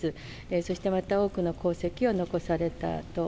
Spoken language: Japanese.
そしてまた、多くの功績を残されたと。